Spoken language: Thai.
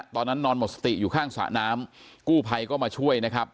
นอนหมดสติอยู่ข้างสระน้ำกู้ภัยก็มาช่วยนะครับ